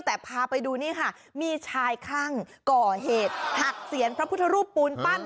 แต่พาไปดูนี่ค่ะมีชายค่างก็เหตุหักสิรหรัฐพุทธรูปปูนปั้น